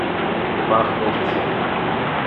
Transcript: Macht nichts.